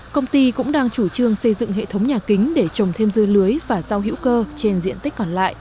công ty cũng đang chủ trương xây dựng hệ thống nhà kính để trồng thêm dưa lưới và rau hữu cơ trên diện tích còn lại